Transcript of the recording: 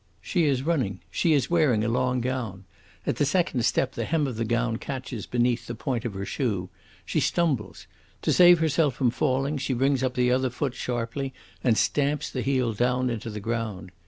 She is running. She is wearing a long gown. At the second step the hem of the gown catches beneath the point of her shoe. She stumbles. To save herself from falling she brings up the other foot sharply and stamps the heel down into the ground.